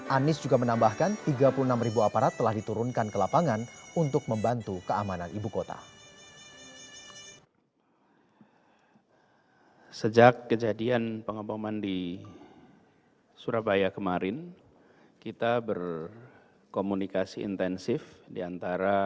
anies juga menambahkan tiga puluh enam aparat telah diturunkan ke lapangan untuk membantu keamanan ibu kota